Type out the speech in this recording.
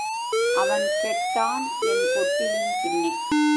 அவன் கெட்டான் என் கொட்டிலின் பின்னே.